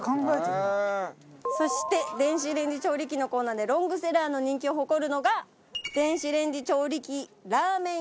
そして電子レンジ調理器のコーナーでロングセラーの人気を誇るのが電子レンジ調理器ラーメン用。